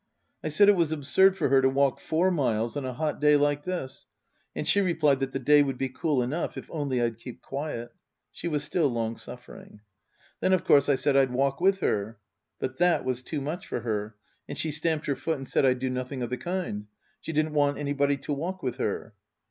I said it was absurd for her to walk four miles on a hot day like this, and she replied that the day would be cool enough if only I'd keep quiet. (She was still long suffering.) Then of course I said I'd walk with her. But that was too much for her, and she stamped her foot and said I'd do nothing of the kind. She didn't want any body to walk with her.